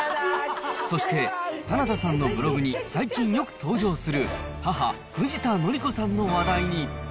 そして、花田さんのブログに最近よく登場する母、藤田紀子さんの話題に。